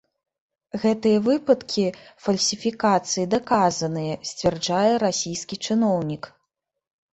Гэтыя выпадкі фальсіфікацыі даказаныя, сцвярджае расійскі чыноўнік.